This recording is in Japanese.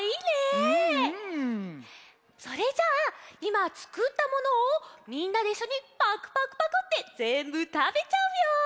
それじゃあいまつくったものをみんなでいっしょにパクパクパクってぜんぶたべちゃうよ！